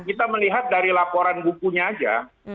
kita melihat dari laporan bukunya aja